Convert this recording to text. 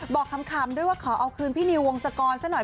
บอกคำด้วยว่าขอเอาคืนพี่นิววงศกรซะหน่อย